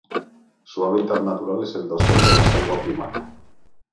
Su hábitat natural es el dosel de la selva primaria.